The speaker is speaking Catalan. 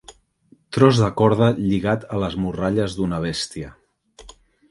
Tros de corda lligat a les morralles d'una bèstia.